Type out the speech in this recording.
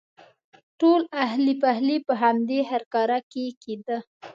ټول اخلی پخلی په همدې هرکاره کې کېده.